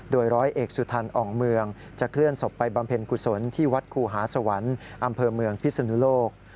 โดยร้อยเอกสุทันอ่องเมืองจะเคลื่อนศพไปบำเพ็ญกุศลที่วัดครูหาสวรรค์อำเภอเมืองพิศนุโลก